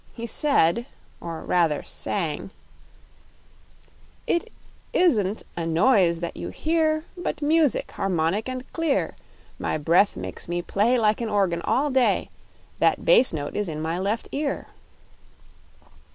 He said or rather sang: It isn't a noise that you hear, But Music, harmonic and clear. My breath makes me play Like an organ, all day That bass note is in my left ear.